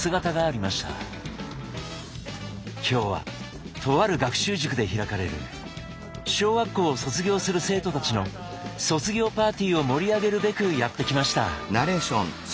今日はとある学習塾で開かれる小学校を卒業する生徒たちの卒業パーティーを盛り上げるべくやって来ました。